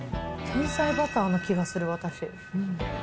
天才バターな気がする、私。